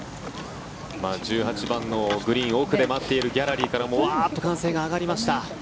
１８番のグリーン奥で待っているギャラリーからもウワーッと歓声が上がりました。